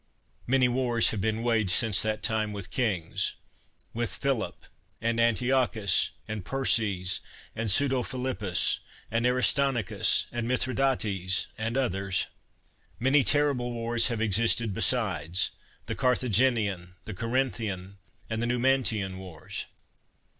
Many wars have been waged since that time with kings — ^with Philip, and Antiochus, and Perses, and Pseudophilippus, and Aristonicus, and Mithridates, and others. Many terrible wars have existed beside — ^the Carthaginian, the Corinthian, and the Numantian wars.